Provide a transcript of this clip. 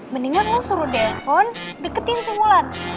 mendingan lo suruh defon deketin si wulan